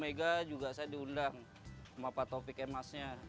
di rumah presiden ketiga juga saya diundang ke rumah pak topik emasnya